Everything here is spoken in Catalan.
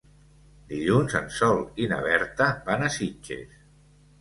Dilluns en Sol i na Berta van a Sitges.